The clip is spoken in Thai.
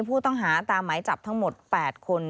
ผู้ต้องหาตามหมายจับทั้งหมด๘คน